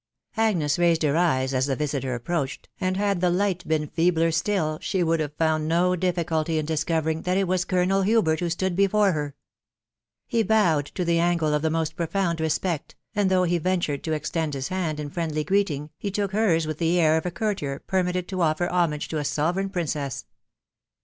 Agnes raised her eyes as the visiter approached, and had THE WIDOW BARNABY, 37 1 the light been feebler still she would have found no difficulty in discovering that it was Colonel Hubert who stood before her. He bowed to the angle of the most profound respect, and though he ventured to extend his hand in friendly greet ing, he took hers with the air of a courtier permitted to offer homage to a sovereign princess.